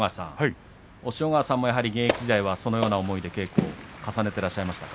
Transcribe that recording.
押尾川さんもやはり現役時代はそのような思いで稽古を重ねてらっしゃいましたか。